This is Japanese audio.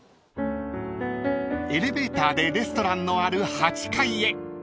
［エレベーターでレストランのある８階へ］